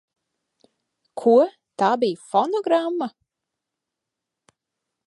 Ko? Tā bija fonogramma?